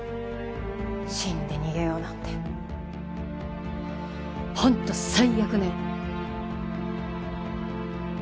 死んで逃げようなんて本当最悪ね！